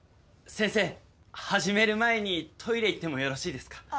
先生始める前にトイレ行ってもよろしいですか？